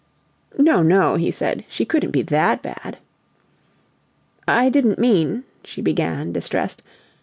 "No, no," he said; "she couldn't be that bad!" "I didn't mean " she began, distressed.